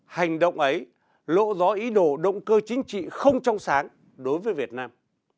hành động ấy lộ rõ ý đồ động cơ chính trị không trong sáng đối với việt nam